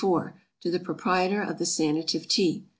To the Proprietor of the SANATIVE TEA.